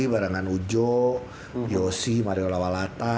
barengannya ujo yosi mario lawalata